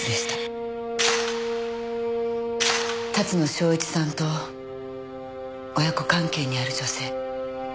龍野祥一さんと親子関係にある女性